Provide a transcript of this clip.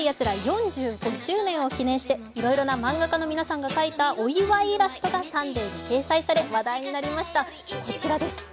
４５周年を記念していろいろな漫画家の皆さんが描いたお祝いイラストが掲載され話題になりました。